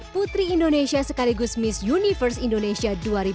putri indonesia sekaligus miss universe indonesia dua ribu dua puluh